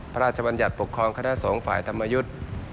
พระราชบัญญัติปกครองคณะสงฆ์ฝ่ายธรรมยุทธ์